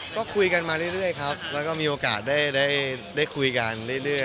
ก็คุยกันมาเรื่อยครับแล้วก็มีโอกาสได้คุยกันเรื่อย